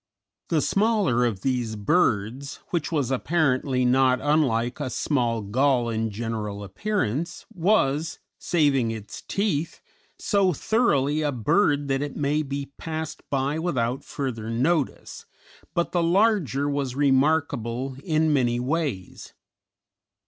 The smaller of these birds, which was apparently not unlike a small gull in general appearance, was, saving its teeth, so thoroughly a bird that it may be passed by without further notice, but the larger was remarkable in many ways.